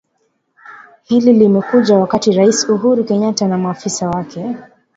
Hili limekuja wakati Rais Uhuru Kenyatta na maafisa wake